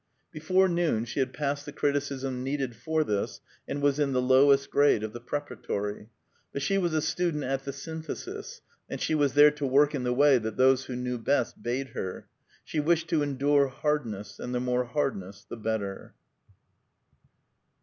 Before noon she had passed the criticism needed for this, and was in the lowest grade of the Preparatory. But she was a student at the Synthesis, and she was there to work in the way that those who knew best bade her. She wished to endure hardness, and the more hardness the better.